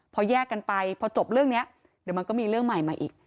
พอแยกกันไปพอจบเรื่องนี้เดี๋ยวมันก็มีเรื่องใหม่มาอีก